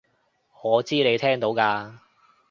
我知你聽到㗎